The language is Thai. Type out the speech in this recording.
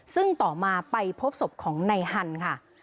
ซึ่งต่อมาไปพบศพของในฮันค่ะ